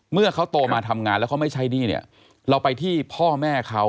เมื่อเขาโตมาทำงานแล้วเขาไม่ใช้หนี้เนี่ยเราไปที่พ่อแม่เขา